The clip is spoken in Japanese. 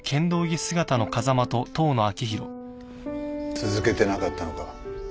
続けてなかったのか？